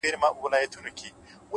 د باران پرمهال هره شېبه بدل شکل اخلي؛